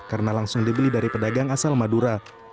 karena langsung dibeli dari pedagang asal madura